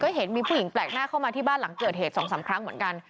เห็นมีผู้หญิงแปลกหน้าเข้ามาที่บ้านหลังเกิดเหตุ๒๓ครั้งเหมือนกัน